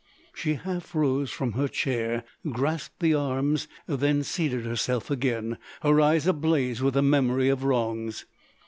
—" She half rose from her chair, grasped the arms, then seated herself again, her eyes ablaze with the memory of wrongs.